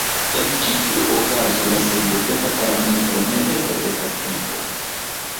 En ĉi tiu okazo la sendependa parametro ne nepre estas tempo.